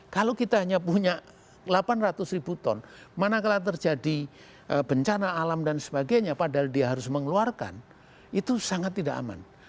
kalau kita hanya punya delapan ratus ribu ton manakala terjadi bencana alam dan sebagainya padahal dia harus mengeluarkan itu sangat tidak aman